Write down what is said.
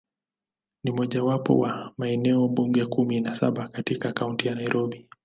Ni mojawapo wa maeneo bunge kumi na saba katika Kaunti ya Nairobi.